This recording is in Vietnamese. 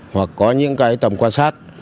hoặc có những tầm quan sát